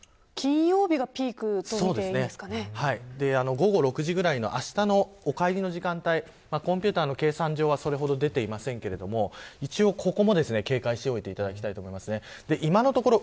雨の強さを見ると金曜日がピークということで午後６時ぐらいのあしたのお帰りの時間帯コンピューターの計算上はそれほど出ていませんが一応、ここも警戒しておいていただきたいです。